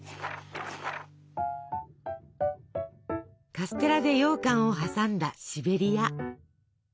カステラでようかんを挟んだシベリア。